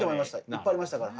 いっぱいありましたから。